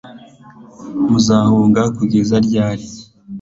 muzahunga kugeza ryari